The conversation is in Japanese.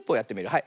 はい。